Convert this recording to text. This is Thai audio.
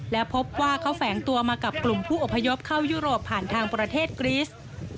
และพบว่าเขาแฝงตัวมากับกลุ่มผู้อพยพเข้ายุโรปผ่านทางประเทศกรีส